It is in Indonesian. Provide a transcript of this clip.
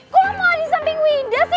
kok lo mau di samping winda sih